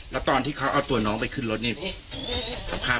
แล้วตอนที่เขาเอาตัวน้องไปขึ้นรถนี่สภาพเป็นยังไงครับ